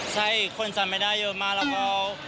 ใช่คนจำไม่ได้เยอะมากแล้วก็